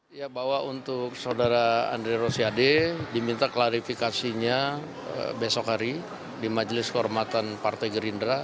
dia bawa untuk saudara andre rosiade diminta klarifikasinya besok hari di majelis kehormatan partai gerindra